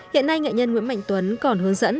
hiện nay nghệ nhân nguyễn mạnh tuấn còn hướng dẫn